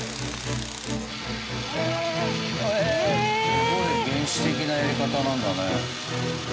すごい原始的なやり方なんだね。